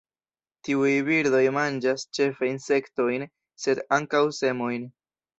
Tiuj birdoj manĝas ĉefe insektojn sed ankaŭ semojn.